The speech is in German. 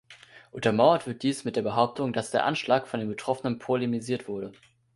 Untermauert wird dies mit der Behauptung, dass der Anschlag von den Betroffenen polemisiert werde.